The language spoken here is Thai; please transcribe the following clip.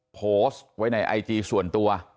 โพสต์ไว้ในไอจีส่วนตัว